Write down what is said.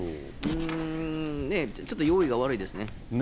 うーん、ね、ちょっと用意が悪いですね。